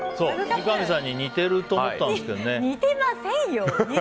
三上さんに似ていると思ったんですけどね。